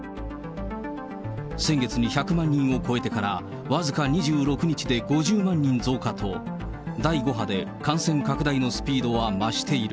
先月に１００万人を超えてから僅か２６日で５０万人増加と、第５波で感染拡大のスピードは増している。